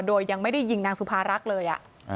โดยยังไม่ได้ยิงนางสุภารักษ์เลย